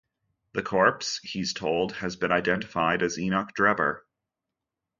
The male corpse, he's told, has been identified as Enoch Drebber.